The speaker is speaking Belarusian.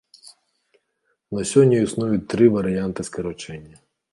На сёння існуюць тры варыянты скарачэння.